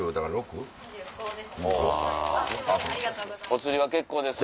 お釣りは結構です。